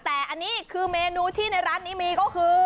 แต่อันนี้คือเมนูที่ในร้านนี้มีก็คือ